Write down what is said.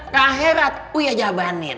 kahirat uya jabanin